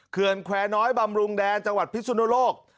เขื่อนแควร์น้อยบำรุงแดนจังหวัดพิสุนโลก